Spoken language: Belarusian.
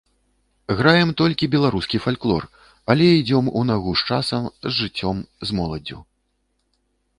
Граем толькі беларускі фальклор, але ідзём у нагу з часам, з жыццём, з моладдзю.